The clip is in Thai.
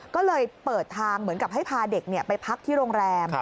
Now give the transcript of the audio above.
ก็เลยเปิดทางเหมือนกับให้พาเด็กไปพักที่โรงแรม